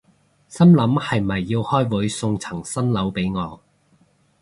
心諗係咪要開會送層新樓畀我